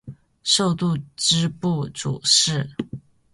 授度支部主事。